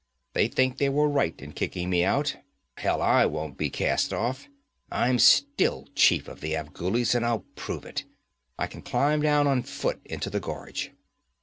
They think they were right in kicking me out hell, I won't be cast off! I'm still chief of the Afghulis, and I'll prove it! I can climb down on foot into the gorge.'